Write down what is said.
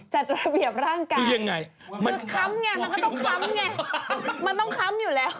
จัดระเบียบร่างกายยังไงมันค้ำไงมันก็ต้องค้ำไงมันต้องค้ำอยู่แล้ว